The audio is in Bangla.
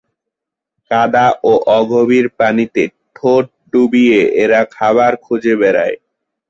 কাদা ও অগভীর পানিতে ঠোঁট ডুবিয়ে এরা খাবার খুঁজে বেড়ায়।